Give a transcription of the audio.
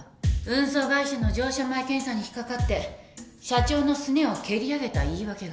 運送会社の乗車前検査に引っ掛かって社長のすねを蹴り上げた言い訳がそれ？